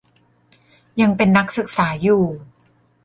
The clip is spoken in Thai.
ยังเป็นนักศึกษาอยู่